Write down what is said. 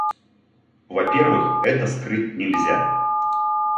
Во-первых, это скрыть нельзя.